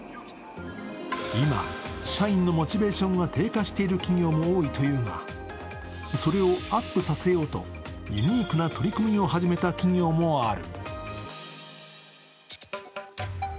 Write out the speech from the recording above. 今、社員のモチベーションが低下している企業も多いというがそれをアップさせようと、ユニークな取り組みを始めた企業もある。